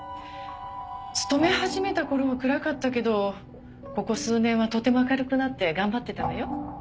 勤め始めた頃は暗かったけどここ数年はとても明るくなって頑張ってたわよ。